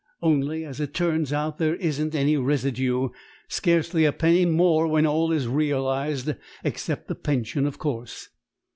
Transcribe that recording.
"Only, as it turns out, there isn't any residue scarcely a penny more when all is realised except the pension, of course."